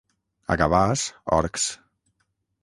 A Gavàs, orcs.